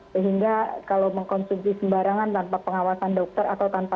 sehingga kalau mengkonsumsi sembarangan tanpa pengawasan dokter atau tanpa